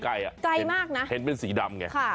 ไกลมากนะเห็นเป็นสีดำไง